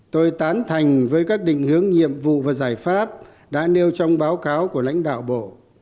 tôi tán thành với các định hướng nhiệm vụ và giải pháp đã nêu trong báo cáo của lãnh đạo bộ